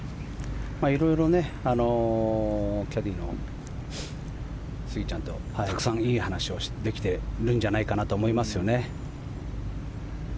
色々キャディーの杉ちゃんとたくさんいい話をできてるんじゃないかなと思いますよね。